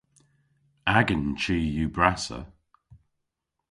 Agan chi yw brassa.